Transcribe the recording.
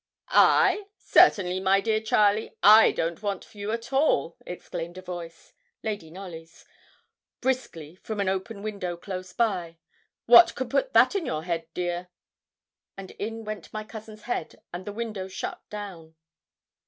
'I? certainly, my dear Charlie, I don't want you at all,' exclaimed a voice Lady Knollys's briskly, from an open window close by; 'what could put that in your head, dear?' And in went my cousin's head, and the window shut down.